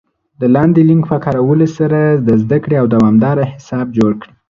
د لاندې لینک په کارولو سره د زده کړې دوامدار حساب جوړ کړئ